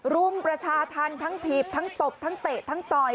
รุมประชาธรรมทั้งถีบทั้งตบทั้งเตะทั้งต่อย